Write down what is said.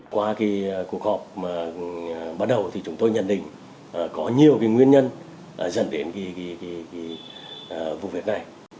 qua cuộc họp bắt đầu thì chúng tôi nhận định có nhiều nguyên nhân dẫn đến vụ việc này